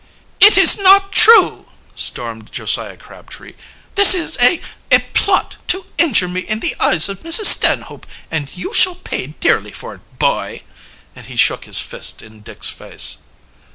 "It is not true!" stormed Josiah Crabtree. "This is a a plot to injure me in the eyes of Mrs. Stanhope, and you shall pay dearly for it, boy!" and he shook his fist in Dick's face.